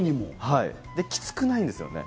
きつくないんですよね。